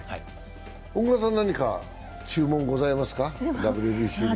小椋さん、何か注文ございますか、ＷＢＣに。